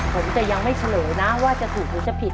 ผมจะยังไม่เฉลยนะว่าจะถูกหรือจะผิด